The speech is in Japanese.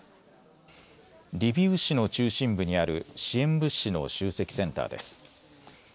リビウ市の中心部にある支援物資の集積センターです。